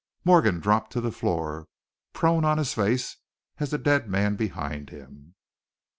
Morgan dropped to the floor, prone on his face as the dead man behind him.